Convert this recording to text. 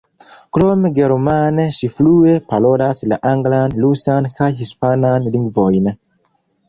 Krom germane, ŝi flue parolas la anglan, rusan kaj hispanan lingvojn.